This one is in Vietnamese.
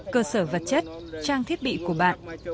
cơ sở vật chất trang thiết bị của bạn